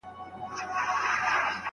بشپړه مسوده نه کتل کېږي.